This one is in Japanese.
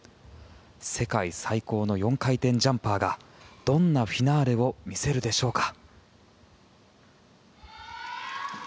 世界最高の４回転ジャンパーがどんなフィナーレを見せるでしょうか。